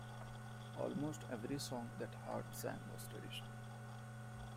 Almost every song that Hart sang was traditional.